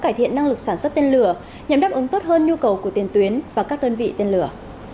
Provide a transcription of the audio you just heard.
cải thiện năng lực sản xuất tên lửa nhằm đáp ứng tốt hơn nhu cầu của tiền tuyến và các đơn vị tên lửa